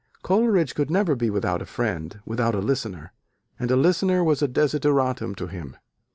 Coleridge could never be without a friend, without a listener: and a listener was a desideratum to him.